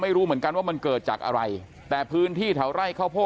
ไม่รู้เหมือนกันว่ามันเกิดจากอะไรแต่พื้นที่แถวไร่ข้าวโพด